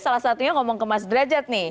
salah satunya ngomong ke mas derajat nih